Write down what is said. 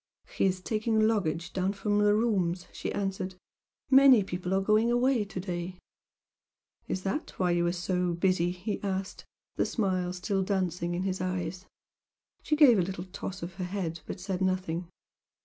"He is taking luggage down from the rooms," she answered "Many people are going away to day." "Is that why you are 'so busy'"? he asked, the smile still dancing in his eyes. She gave a little toss of her head but said nothing.